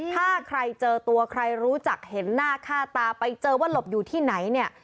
ถ้าใครเจอตัวใครรู้จักเห็นหน้าค่าตาไปเจอว่าหลบอยู่ที่ไหนเนี่ย